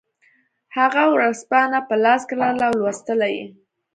هغه ورځپاڼه په لاس کې لرله او لوستله یې